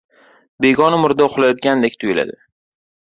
• Begona murda uxlayotgandek tuyuladi.